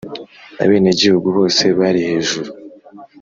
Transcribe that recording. abenegihugu bose bari hejuru.